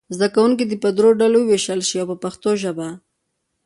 زده کوونکي دې په دریو ډلو وویشل شي په پښتو ژبه.